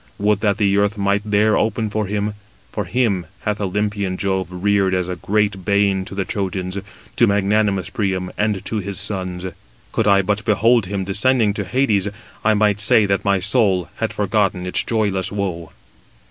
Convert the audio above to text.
Would that the earth might there open for him, for him hath Olympian Jove reared as a great bane to the Trojans, to magnanimous Priam, and to his sons. Could I but behold him descending to Hades, I might say that my soul had forgotten its joyless woe."